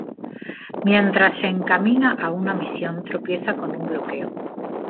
Mientras se encamina hacia una misión tropieza con un bloqueo.